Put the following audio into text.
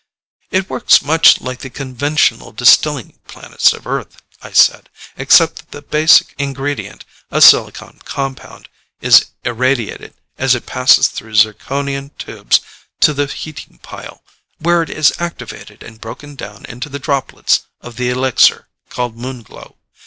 "It works much like the conventional distilling plants of Earth," I said, "except that the basic ingredient, a silicon compound, is irradiated as it passes through zirconium tubes to the heating pile, where it is activated and broken down into the droplets of the elixir called Moon Glow.